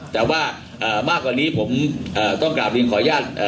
แต่ว่ามากกว่านี้ผมต้องกลับเรียนขออนุญาต